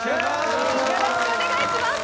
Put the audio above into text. よろしくお願いします！